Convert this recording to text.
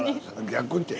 「逆に」って。